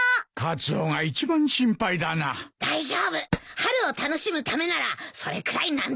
春を楽しむためならそれくらい何てことないさ。